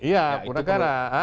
iya ke negara